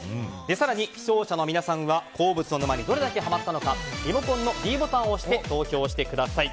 更に視聴者の皆さんは鉱物の沼にどれだけハマったかリモコンのｄボタンを押して投票してください。